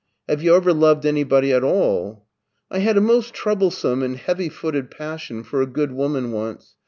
"Have you ever loved anybody at all? "" I had a most troublesome and heavy footed passion for a good woman once.